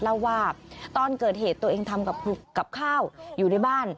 เล่าว่าตอนเกิดเหตุตัวเองทำกับข้าวอยู่ในบ้าน